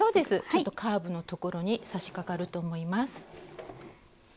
ちょっとカーブのところにさしかかると思います。